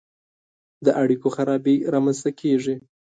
د اړیکو خرابي رامنځته کیږي.